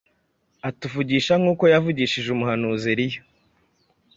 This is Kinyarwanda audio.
atuvugisha nkuko yavugishije umuhanuzi Eliya –